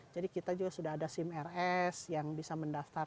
jadi kita juga sudah ada simrs yang bisa mendapatkan